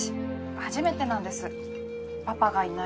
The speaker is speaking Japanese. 初めてなんですパパがいない夜って。